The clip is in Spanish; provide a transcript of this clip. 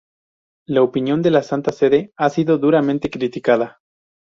La opinión de la Santa Sede ha sido duramente criticada.